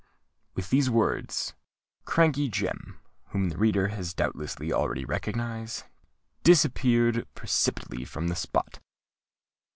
With these words, Crankey Jem (whom the reader has doubtless already recognised) disappeared precipitately from the spot.